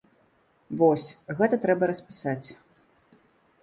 Вось, гэта трэба распісаць.